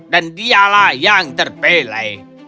dan dialah yang terpilih